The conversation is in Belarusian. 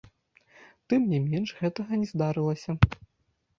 Тым не менш гэтага не здарылася.